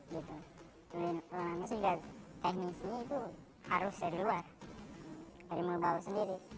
terus juga teknisinya itu harus dari luar dari melbau sendiri